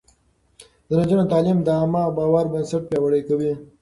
د نجونو تعليم د عامه باور بنسټ پياوړی کوي.